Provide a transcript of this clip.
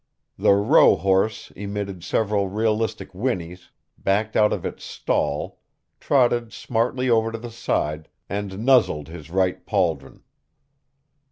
_ The rohorse emitted several realistic whinnies, backed out of its "stall", trotted smartly over to his side, and nuzzled his right pauldron.